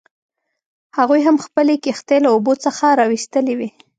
هغوی هم خپلې کښتۍ له اوبو څخه راویستلې وې.